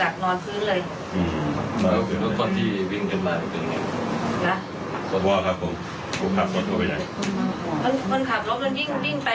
คนขับเนี่ย